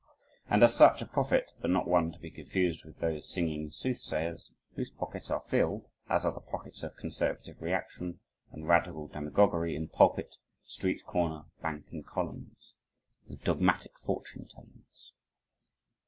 And as such, a prophet but not one to be confused with those singing soothsayers, whose pockets are filled, as are the pockets of conservative reaction and radical demagoguery in pulpit, street corner, bank and columns, with dogmatic fortune tellings.